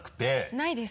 ないです。